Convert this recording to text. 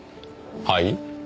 はい？